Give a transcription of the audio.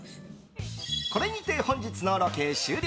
これにて本日のロケ終了。